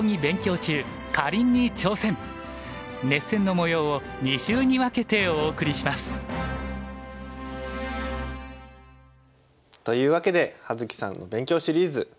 熱戦の模様を２週に分けてお送りします！というわけで葉月さんの勉強シリーズ。